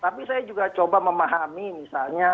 tapi saya juga coba memahami misalnya